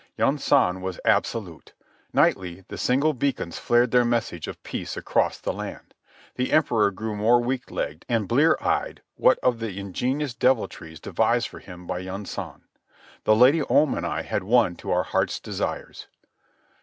Yunsan was absolute. Nightly the single beacons flared their message of peace across the land. The Emperor grew more weak legged and blear eyed what of the ingenious deviltries devised for him by Yunsan. The Lady Om and I had won to our hearts' desires.